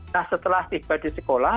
nah setelah tiba di sekolah